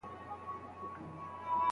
موزيم به تر ټولو لوړ قيمت ورکړی وي.